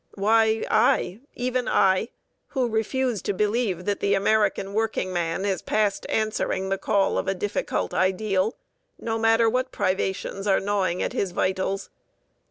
Why, I, even I, who refuse to believe that the American workingman is past answering the call of a difficult ideal, no matter what privations are gnawing at his vitals.